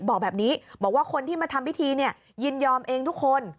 บอกแบบนี้บอกว่าคนที่มาทำพิธียินยอมเองทุกคน